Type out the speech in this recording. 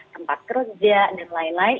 tempat kerja dan lain lain